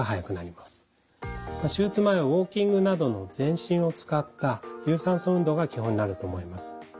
手術前はウォーキングなどの全身を使った有酸素運動が基本になると思います。